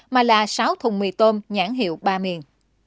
mà là sáu thùng mì tôm nhãn hiệu ba miền